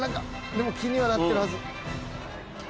でも気にはなってるはず。